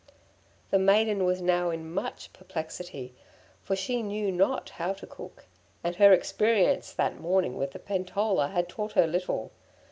The maiden was now in much perplexity, for she knew not how to cook, and her experience that morning with the pentola had taught her little.